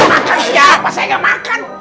ya makan siapa saya gak makan